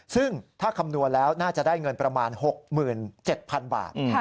ซึ่งถ้าคำนวณแล้วน่าจะได้เงินประมาณ๖๗๐๐๐บาท